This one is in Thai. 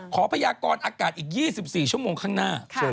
พยากรอากาศอีก๒๔ชั่วโมงข้างหน้า